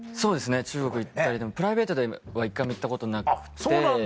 でもプライベートでは１回も行ったことなくて。